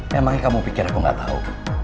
memangnya kamu pikir aku gak tahu